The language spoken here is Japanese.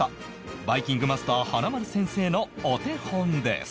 バイキングマスター華丸先生のお手本です